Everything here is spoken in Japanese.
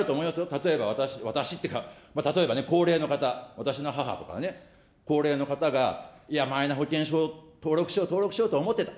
例えば私、私っていうか、例えばね、高齢の方、私の母とかね、高齢の方が、いや、マイナ保険証、登録しよう登録しようと思ってた。